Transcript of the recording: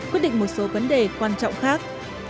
quyết định một số vấn đề quan trọng khác